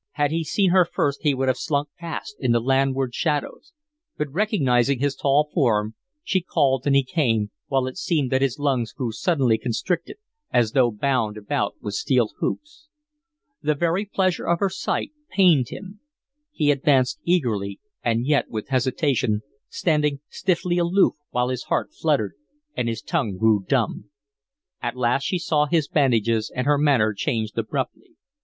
Had he seen her first he would have slunk past in the landward shadows; but, recognizing his tall form, she called and he came, while it seemed that his lungs grew suddenly constricted, as though bound about with steel hoops. The very pleasure of her sight pained him. He advanced eagerly, and yet with hesitation, standing stiffly aloof while his heart fluttered and his tongue grew dumb. At last she saw his bandages and her manner changed abruptly.